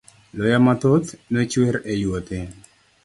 Luya mathoth nochwer e yuothe.